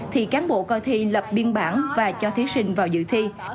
thì cán bộ coi thi lập biên bản và cho thí sinh vào dự thi